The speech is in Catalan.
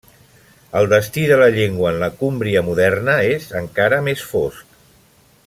El destí de la llengua en la Cúmbria moderna és, encara, més fosc.